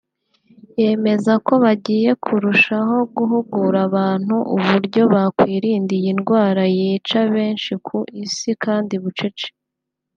yemeza ko bagiye kurushaho guhugura abantu uburyo bakwirinda iyi ndwara yica benshi ku isi kandi bucece